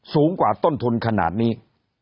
สูงกว่าต้นทุนขนาดนี้